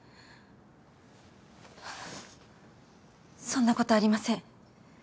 そんなことありません。